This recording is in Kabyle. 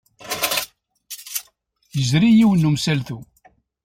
Yezri yiwen n wemsaltu.